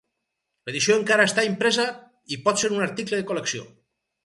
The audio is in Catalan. L' edició encara està impresa i pot ser un article de col·lecció.